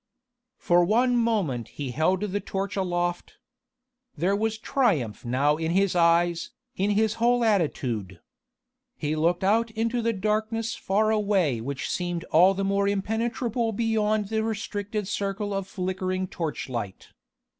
For one moment he held the torch aloft. There was triumph now in his eyes, in his whole attitude. He looked out into the darkness far away which seemed all the more impenetrable beyond the restricted circle of flickering torchlight.